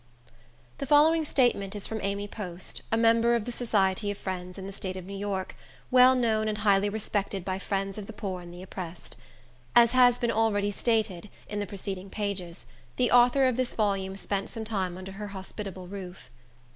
The following statement is from Amy Post, a member of the Society of Friends in the State of New York, well known and highly respected by friends of the poor and the oppressed. As has been already stated, in the preceding pages, the author of this volume spent some time under her hospitable roof.